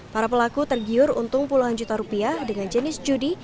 para pelaku tergiur untung puluhan juta rupiah dengan jenis judi